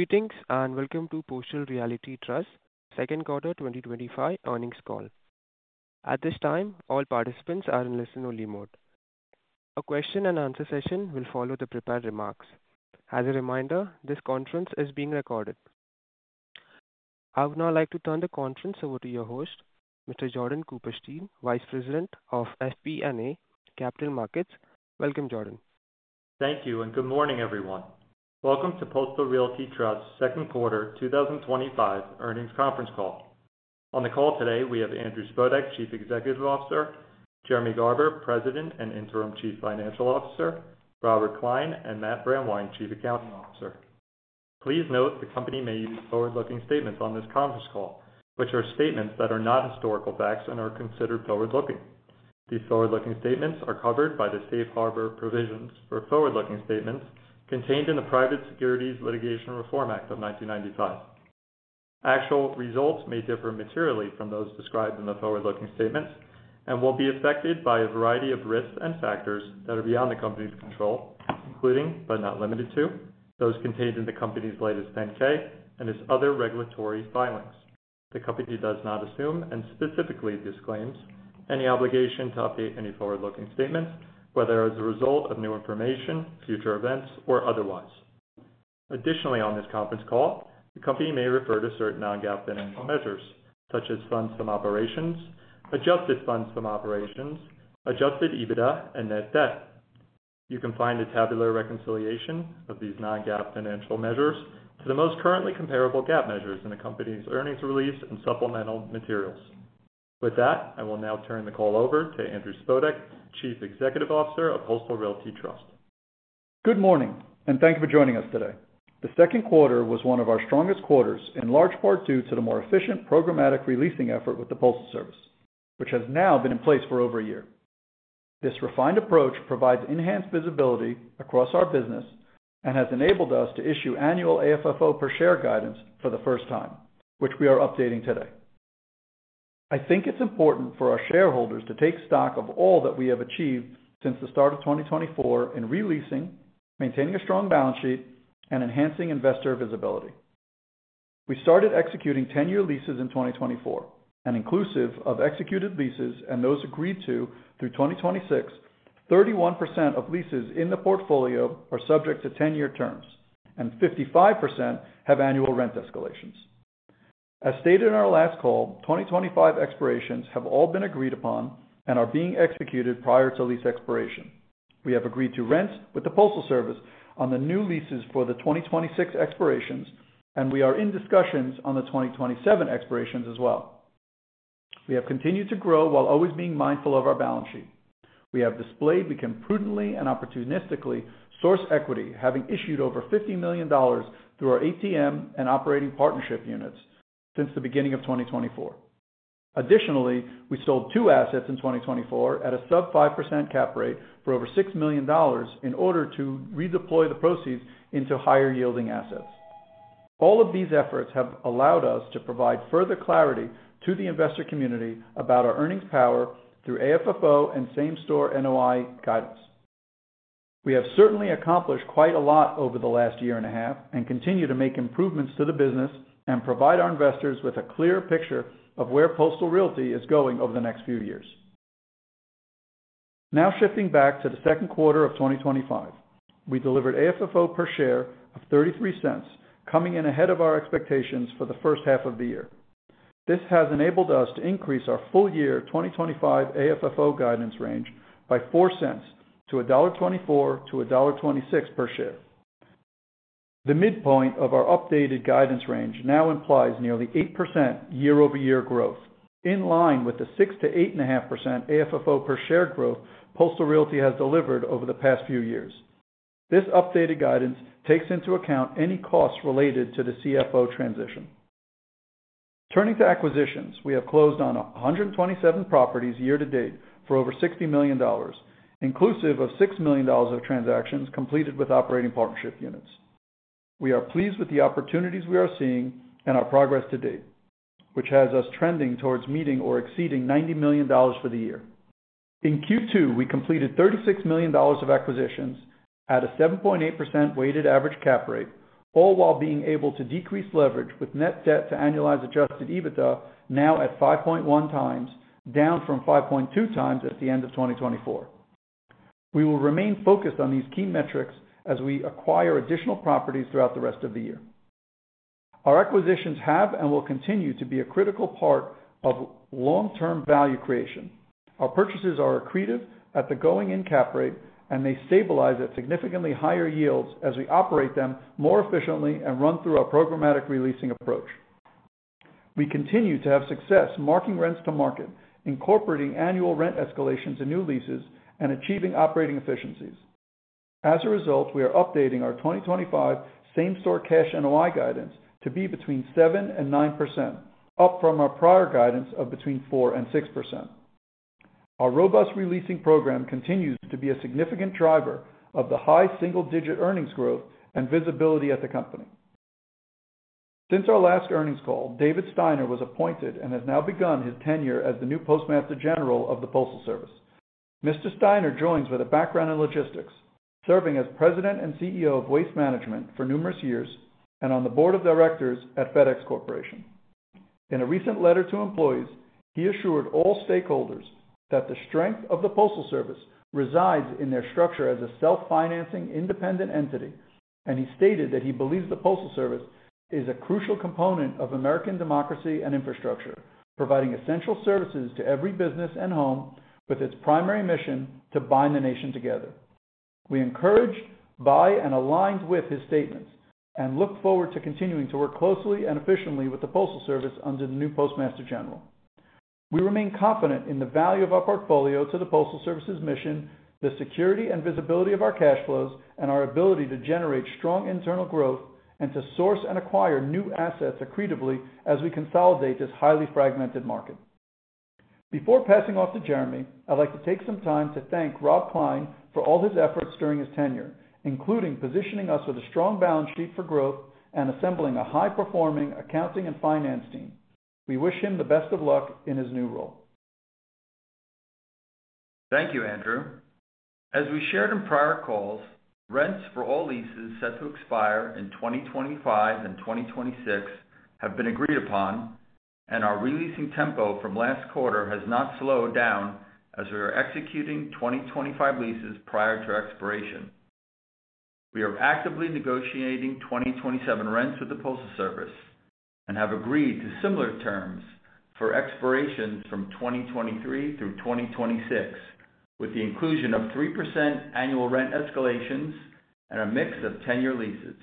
Meetings and welcome to Postal Realty Trust's Second Quarter 2025 Earnings Call. At this time, all participants are in listen-only mode. A question-and-answer session will follow the prepared remarks. As a reminder, this conference is being recorded. I would now like to turn the conference over to your host, Mr. Jordan Cooperstein, Vice President of FP&A Capital Markets. Welcome, Jordan. Thank you, and good morning, everyone. Welcome to Postal Realty Trust's second quarter 2025 earnings conference call. On the call today, we have Andrew Spodek, Chief Executive Officer, Jeremy Garber, President and Interim Chief Financial Officer, Robert Klein, and Matt Brandwein, Chief Accounting Officer. Please note the company may use forward-looking statements on this conference call, which are statements that are not historical facts and are considered forward-looking. These forward-looking statements are covered by the Safe Harbor provisions for forward-looking statements contained in the Private Securities Litigation Reform Act of 1995. Actual results may differ materially from those described in the forward-looking statements and will be affected by a variety of risks and factors that are beyond the company's control, including, but not limited to, those contained in the company's latest 10-K and its other regulatory filings. The company does not assume, and specifically disclaims, any obligation to update any forward-looking statements, whether as a result of new information, future events, or otherwise. Additionally, on this conference call, the company may refer to certain non-GAAP financial measures, such as funds from operations, adjusted funds from operations, adjusted EBITDA, and net debt. You can find a tabular reconciliation of these non-GAAP financial measures to the most currently comparable GAAP measures in the company's earnings release and supplemental materials. With that, I will now turn the call over to Andrew Spodek, Chief Executive Officer of Postal Realty Trust. Good morning, and thank you for joining us today. The second quarter was one of our strongest quarters, in large part due to the more efficient programmatic re-leasing effort with the Postal Service, which has now been in place for over a year. This refined approach provides enhanced visibility across our business and has enabled us to issue annual AFFO per share guidance for the first time, which we are updating today. I think it's important for our shareholders to take stock of all that we have achieved since the start of 2024 in re-leasing, maintaining a strong balance sheet, and enhancing investor visibility. We started executing 10-year leases in 2024, and inclusive of executed leases and those agreed to through 2026, 31% of leases in the portfolio are subject to 10-year terms, and 55% have annual rent escalations. As stated in our last call, 2025 expirations have all been agreed upon and are being executed prior to lease expiration. We have agreed to rents with the Postal Service on the new leases for the 2026 expirations, and we are in discussions on the 2027 expirations as well. We have continued to grow while always being mindful of our balance sheet. We have displayed we can prudently and opportunistically source equity, having issued over $50 million through our ATM and operating partnership units since the beginning of 2024. Additionally, we sold two assets in 2024 at a sub-5% cap rate for over $6 million in order to redeploy the proceeds into higher-yielding assets. All of these efforts have allowed us to provide further clarity to the investor community about our earnings power through AFFO and Same Store NOI guidance. We have certainly accomplished quite a lot over the last year and a half and continue to make improvements to the business and provide our investors with a clearer picture of where Postal Realty Trust is going over the next few years. Now shifting back to the second quarter of 2025, we delivered AFFO per share of $0.33, coming in ahead of our expectations for the first half of the year. This has enabled us to increase our full-year 2025 AFFO guidance range by $0.04-$1.24, $1.24-$1.26 per share. The midpoint of our updated guidance range now implies nearly 8% year-over-year growth, in line with the 6%-8.5% AFFO per share growth Postal Realty Trust has delivered over the past few years. This updated guidance takes into account any costs related to the CFO transition. Turning to acquisitions, we have closed on 127 properties year to date for over $60 million, inclusive of $6 million of transactions completed with operating partnership units. We are pleased with the opportunities we are seeing and our progress to date, which has us trending towards meeting or exceeding $90 million for the year. In Q2, we completed $36 million of acquisitions at a 7.8% weighted average cap rate, all while being able to decrease leverage with net debt to annualized adjusted EBITDA now at 5.1 times, down from 5.2 times at the end of 2023. We will remain focused on these key metrics as we acquire additional properties throughout the rest of the year. Our acquisitions have and will continue to be a critical part of long-term value creation. Our purchases are accretive at the going-in cap rate and may stabilize at significantly higher yields as we operate them more efficiently and run through our programmatic re-leasing approach. We continue to have success marking rents to market, incorporating annual rent escalations in new leases, and achieving operating efficiencies. As a result, we are updating our 2025 Same Store Cash NOI guidance to be between 7% and 9%, up from our prior guidance of between 4% and 6%. Our robust re-leasing program continues to be a significant driver of the high single-digit earnings growth and visibility at the company. Since our last earnings call, David Steiner was appointed and has now begun his tenure as the new Postmaster General of the United States Postal Service. Mr. Steiner joins with a background in logistics, serving as President and CEO of Waste Management for numerous years and on the Board of Directors at FedEx Corporation. In a recent letter to employees, he assured all stakeholders that the strength of the Postal Service resides in their structure as a self-financing independent entity, and he stated that he believes the Postal Service is a crucial component of American democracy and infrastructure, providing essential services to every business and home with its primary mission to bind the nation together. We encourage, buy, and align with his statements and look forward to continuing to work closely and efficiently with the Postal Service under the new Postmaster General. We remain confident in the value of our portfolio to the Postal Service's mission, the security and visibility of our cash flows, and our ability to generate strong internal growth and to source and acquire new assets accretively as we consolidate this highly fragmented market. Before passing off to Jeremy, I'd like to take some time to thank Robert Klein for all his efforts during his tenure, including positioning us with a strong balance sheet for growth and assembling a high-performing accounting and finance team. We wish him the best of luck in his new role. Thank you, Andrew. As we shared in prior calls, rents for all leases set to expire in 2025 and 2026 have been agreed upon, and our re-leasing tempo from last quarter has not slowed down as we are executing 2025 leases prior to expiration. We are actively negotiating 2027 rents with the Postal Service and have agreed to similar terms for expirations from 2023 through 2026, with the inclusion of 3% annual rent escalations and a mix of 10-year leases.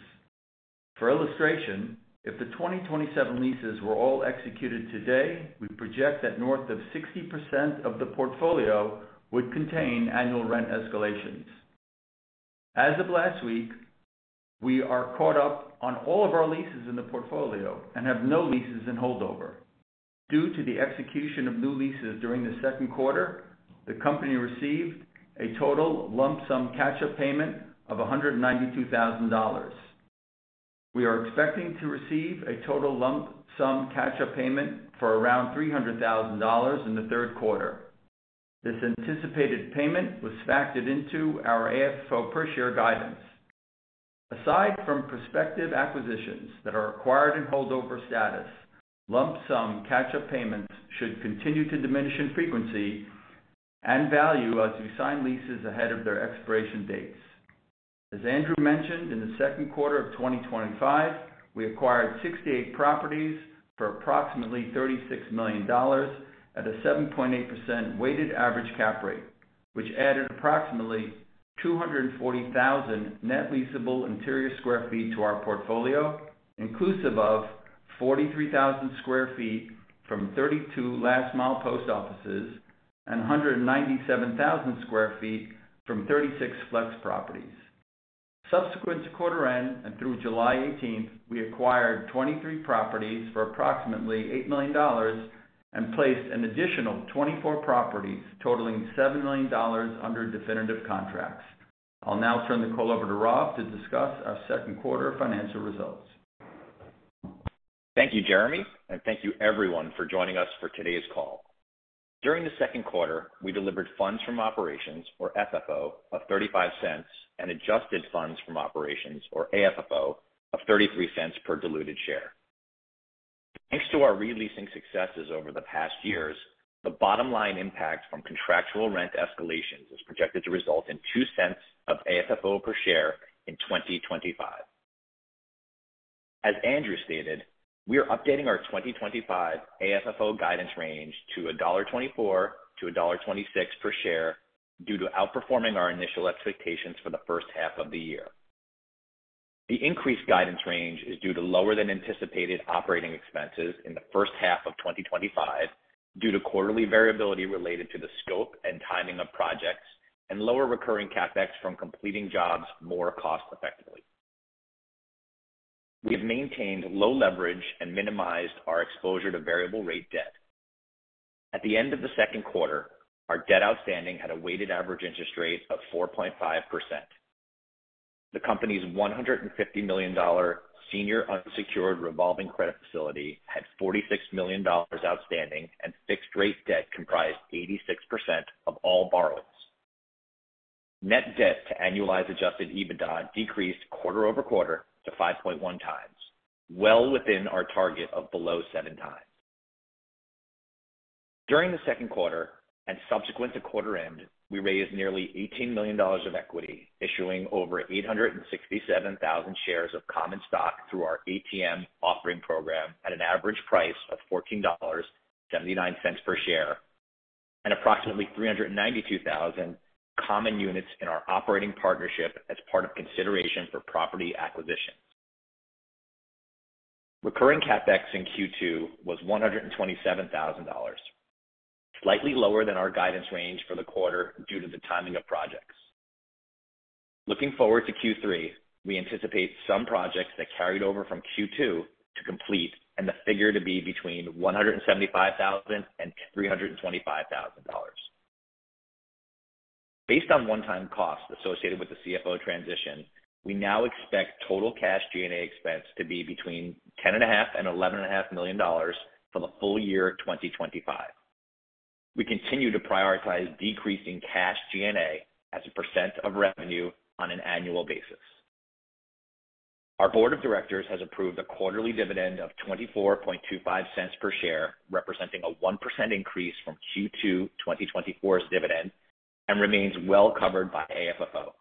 For illustration, if the 2027 leases were all executed today, we project that north of 60% of the portfolio would contain annual rent escalations. As of last week, we are caught up on all of our leases in the portfolio and have no leases in holdover. Due to the execution of new leases during the second quarter, the company received a total lump sum catch-up payment of $192,000. We are expecting to receive a total lump sum catch-up payment for around $300,000 in the third quarter. This anticipated payment was factored into our AFFO per share guidance. Aside from prospective acquisitions that are acquired in holdover status, lump sum catch-up payments should continue to diminish in frequency and value as we sign leases ahead of their expiration dates. As Andrew mentioned, in the second quarter of 2025, we acquired 68 properties for approximately $36 million at a 7.8% weighted average cap rate, which added approximately 240,000 net leasable interior sq ft to our portfolio, inclusive of 43,000 sq ft from 32 last-mile post offices and 197,000 sq ft from 36 flex properties. Subsequent to quarter end and through July 18th, we acquired 23 properties for approximately $8 million and placed an additional 24 properties totaling $7 million under definitive contracts. I'll now turn the call over to Rob to discuss our second quarter financial results. Thank you, Jeremy, and thank you everyone for joining us for today's call. During the second quarter, we delivered funds from operations, or FFO, of $0.35 and adjusted funds from operations, or AFFO, of $0.33 per diluted share. Thanks to our re-leasing successes over the past years, the bottom line impact from contractual rent escalations is projected to result in $0.02 of AFFO per share in 2025. As Andrew stated, we are updating our 2025 AFFO guidance range to $1.24-$1.26 per share due to outperforming our initial expectations for the first half of the year. The increased guidance range is due to lower than anticipated operating expenses in the first half of 2025 due to quarterly variability related to the scope and timing of projects and lower recurring CapEx from completing jobs more cost-effectively. We have maintained low leverage and minimized our exposure to variable rate debt. At the end of the second quarter, our debt outstanding had a weighted average interest rate of 4.5%. The company's $150 million senior unsecured revolving credit facility had $46 million outstanding, and fixed-rate debt comprised 86% of all borrowings. Net debt to annualized adjusted EBITDA decreased quarter over quarter to 5.1 times, well within our target of below 7 times. During the second quarter and subsequent to quarter end, we raised nearly $18 million of equity, issuing over 867,000 shares of common stock through our ATM offering program at an average price of $14.79 per share and approximately 392,000 common units in our operating partnership as part of consideration for property acquisitions. Recurring CapEx in Q2 was $127,000, slightly lower than our guidance range for the quarter due to the timing of projects. Looking forward to Q3, we anticipate some projects that carried over from Q2 to complete and the figure to be between $175,000 and $325,000. Based on one-time costs associated with the CFO transition, we now expect total cash G&A expense to be between $10.5 million and $11.5 million for the full year 2025. We continue to prioritize decreasing cash G&A as a percent of revenue on an annual basis. Our Board of Directors has approved a quarterly dividend of $0.2425 per share, representing a 1% increase from Q2 2024's dividend and remains well covered by AFFO.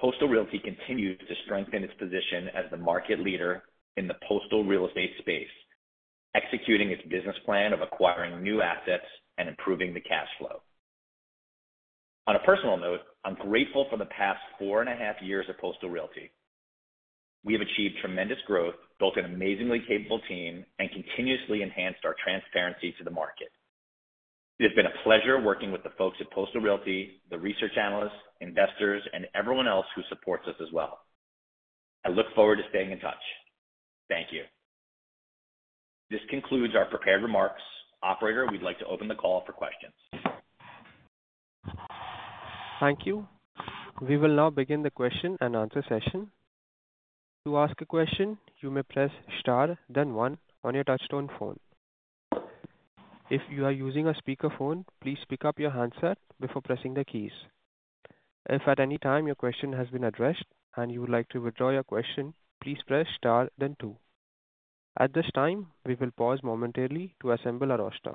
Postal Realty Trust continues to strengthen its position as the market leader in the postal real estate space, executing its business plan of acquiring new assets and improving the cash flow. On a personal note, I'm grateful for the past four and a half years at Postal Realty Trust. We have achieved tremendous growth, built an amazingly capable team, and continuously enhanced our transparency to the market. It has been a pleasure working with the folks at Postal Realty Trust, the research analysts, investors, and everyone else who supports us as well. I look forward to staying in touch. Thank you. This concludes our prepared remarks. Operator, we'd like to open the call for questions. Thank you. We will now begin the question-and-answer session. To ask a question, you may press star, then one on your touch-tone phone. If you are using a speakerphone, please pick up your handset before pressing the keys. If at any time your question has been addressed and you would like to withdraw your question, please press star, then two. At this time, we will pause momentarily to assemble our roster.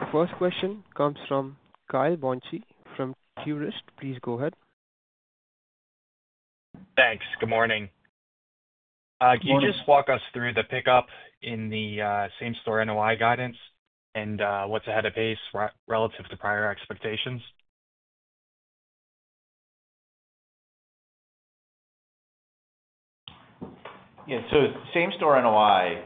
The first question comes from Kyle Bonci from Truist Securities. Please go ahead. Thanks. Good morning. Can you just walk us through the pickup in the Same Store NOI guidance and what's ahead of pace relative to prior expectations? Yeah. Same Store NOI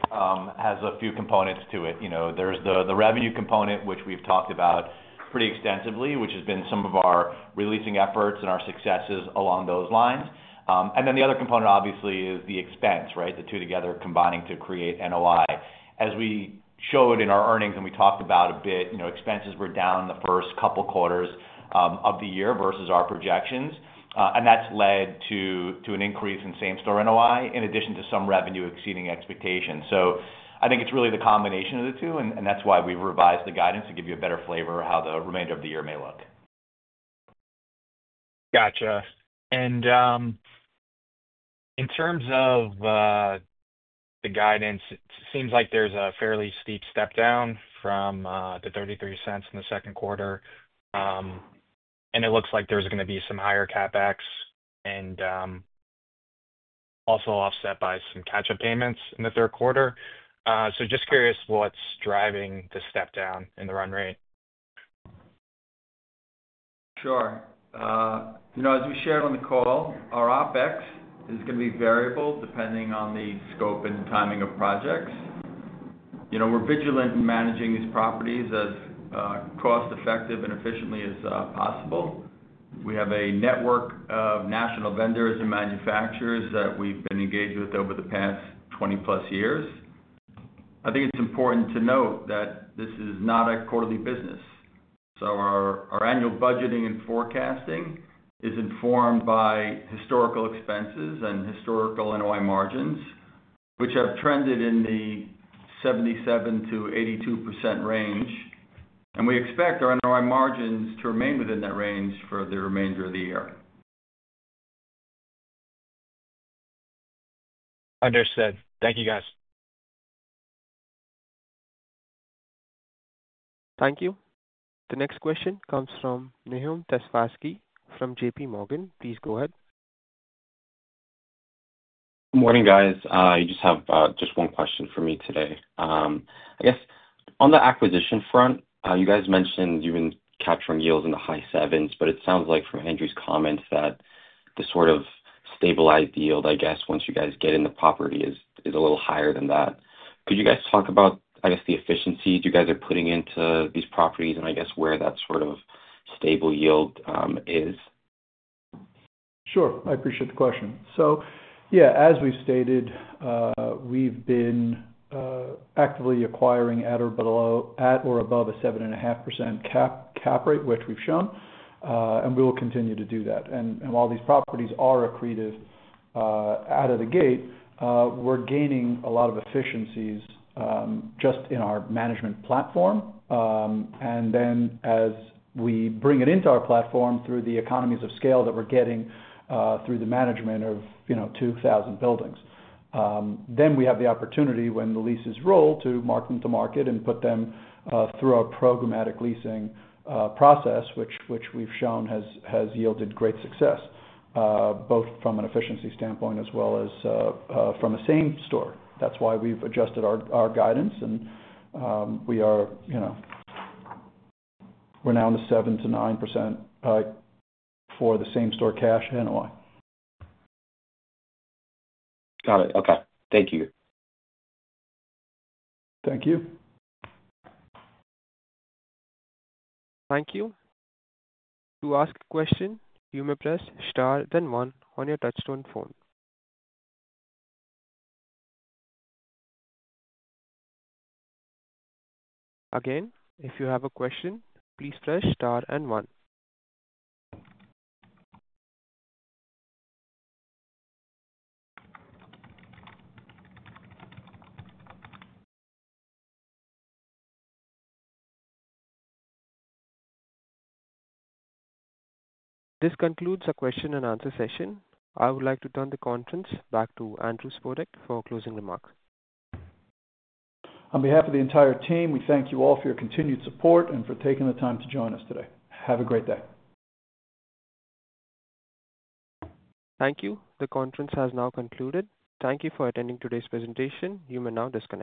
has a few components to it. There's the revenue component, which we've talked about pretty extensively, which has been some of our re-leasing efforts and our successes along those lines. The other component, obviously, is the expense, right? The two together combine to create NOI. As we showed in our earnings and we talked about a bit, expenses were down in the first couple quarters of the year versus our projections. That's led to an increase in Same Store NOI in addition to some revenue exceeding expectations. I think it's really the combination of the two, and that's why we've revised the guidance to give you a better flavor of how the remainder of the year may look. Gotcha. In terms of the guidance, it seems like there's a fairly steep step down from $0.33 in the second quarter. It looks like there's going to be some higher CapEx, also offset by some catch-up payments in the third quarter. Just curious what's driving the step down in the run rate. Sure. As we shared on the call, our OpEx is going to be variable depending on the scope and timing of projects. We're vigilant in managing these properties as cost-effective and efficiently as possible. We have a network of national vendors and manufacturers that we've been engaged with over the past 20+ years. I think it's important to note that this is not a quarterly business. Our annual budgeting and forecasting is informed by historical expenses and historical NOI margins, which have trended in the 77%-82% range. We expect our NOI margins to remain within that range for the remainder of the year. Understood. Thank you, guys. Thank you. The next question comes from Nahom Tesfazghi from JPMorgan Chase & Co. Please go ahead. Morning, guys. I just have one question for me today. I guess on the acquisition front, you guys mentioned you've been capturing yields in the high sevens, but it sounds like from Andrew's comments that the sort of stabilized yield, I guess, once you guys get in the property is a little higher than that. Could you guys talk about the efficiency you guys are putting into these properties and where that sort of stable yield is? Sure. I appreciate the question. As we've stated, we've been actively acquiring at or above a 7.5% cap rate, which we've shown, and we will continue to do that. While these properties are accretive out of the gate, we're gaining a lot of efficiencies just in our management platform. As we bring it into our platform through the economies of scale that we're getting through the management of, you know, 2,000 buildings, we have the opportunity when the leases roll to mark them to market and put them through our programmatic leasing process, which we've shown has yielded great success, both from an efficiency standpoint as well as from a Same Store. That's why we've adjusted our guidance and we are, you know, we're now in the 7%-9% for the Same Store Cash NOI. Got it. Okay, thank you. Thank you. Thank you. To ask a question, you may press star, then one on your touch-tone phone. Again, if you have a question, please press star and one. This concludes our question-and-answer session. I would like to turn the conference back to Andrew Spodek for a closing remark. On behalf of the entire team, we thank you all for your continued support and for taking the time to join us today. Have a great day. Thank you. The conference has now concluded. Thank you for attending today's presentation. You may now discuss.